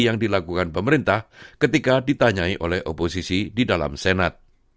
yang dilakukan pemerintah ketika ditanyai oleh oposisi di dalam senat